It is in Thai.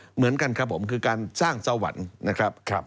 เหมือนกันครับผมคือการสร้างสวรรค์นะครับ